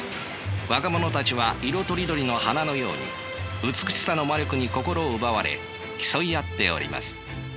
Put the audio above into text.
若者たちは色とりどりの花のように美しさの魔力に心奪われ競い合っております。